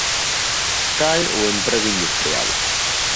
Cae o emprego industrial.